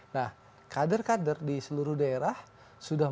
nah kader kader di seluruh daerah sudah